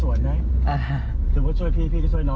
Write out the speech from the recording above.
แล้วก็ให้ยาช่วยถ่ายมามั้ยคะ